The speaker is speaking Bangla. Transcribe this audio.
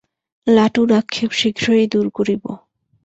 লাটুর আক্ষেপ শীঘ্রই দূর করিব।